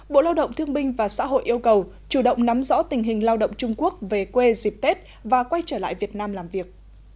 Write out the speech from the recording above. bộ lao động thương minh và xã hội yêu cầu chủ động nắm rõ tình hình lao động trung quốc về quê dịp tết và quay trở lại việt nam làm việc